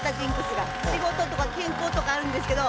仕事とか健康とかあるんですけど。